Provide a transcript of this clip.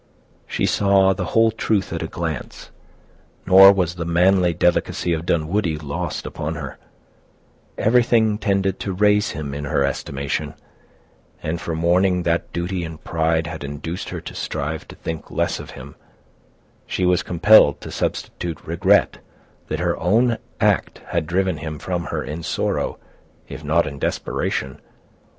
She saw the whole truth at a glance; nor was the manly delicacy of Dunwoodie lost upon her—everything tended to raise him in her estimation; and, for mourning that duty and pride had induced her to strive to think less of him, she was compelled to substitute regret that her own act had driven him from her in sorrow, if not in desperation.